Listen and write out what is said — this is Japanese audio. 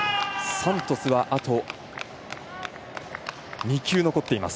サントスは、あと２球残っています。